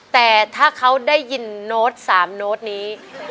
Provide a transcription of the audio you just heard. แต่ถ้าเขาได้ยินโน้ต๓โน้ตนี้